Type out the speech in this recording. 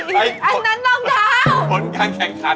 ไม่ใช่อันนั้นน้องเท้า